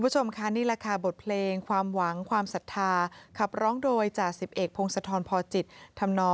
ยินดียังใหญ่ดีรัน